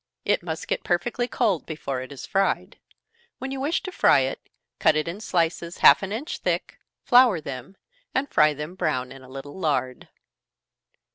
It must get perfectly cold before it is fried. When you wish to fry it, cut it in slices half an inch thick, flour them, and fry them brown in a little lard.